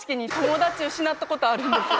ことあるんですよ。